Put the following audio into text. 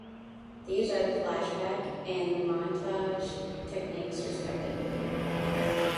These are the flashback and the montage techniques, respectively.